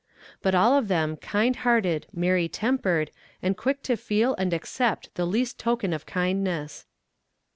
But all of them kind hearted, merry tempered, and quick to feel and accept the least token of kindness.